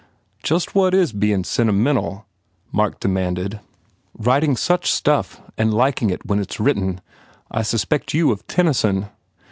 "Just what is bein sentimental?" Mark demanded. "Writing such stuff and liking it when it s written! I suspect you of Tennyson."